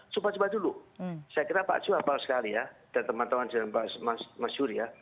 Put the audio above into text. coba coba dulu saya kira pak ju hafal sekali ya dan teman teman di dalam mas duri ya